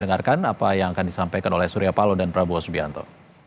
dengarkan apa yang akan disampaikan oleh surya palo dan prabowo subianto